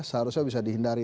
seharusnya bisa dihindari